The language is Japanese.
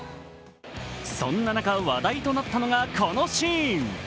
そんな中、話題となったのがこのシーン。